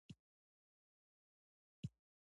انسان باید پوه شي چې څه کول غواړي.